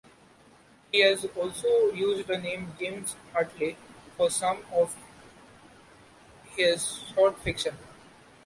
He has also used the name 'James Hartley' for some of his short fiction.